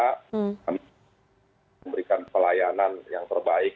kami memberikan pelayanan yang terbaik